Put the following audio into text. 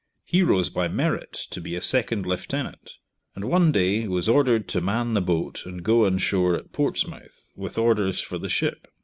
He rose by merit to be a second lieutenant, and one day was ordered to man the boat and go on shore at Portsmouth with orders for the ship.